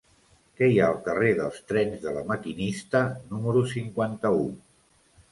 Què hi ha al carrer dels Trens de La Maquinista número cinquanta-u?